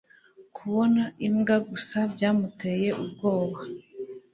Kubona imbwa gusa byamuteye ubwoba.